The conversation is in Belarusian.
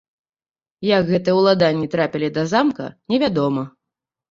Як гэтыя ўладанні трапілі да замка, не вядома.